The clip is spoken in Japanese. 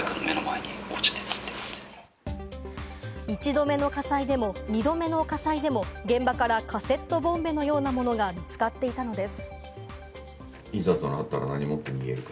１度目の火災でも２度目の火災でも現場からカセットボンベのようなものが見つかっていたのです。